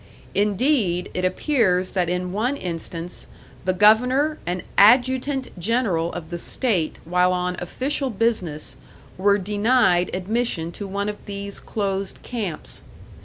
Indeed, it appears that in one instance the governor and adjutant general of the state while on official business, were denied admission to one of these closed camps.